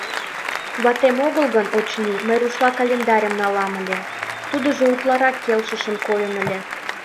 Ватем огыл гын, очыни, мый рушла календарьым налам ыле, тудыжо утларак келшышын койын ыле.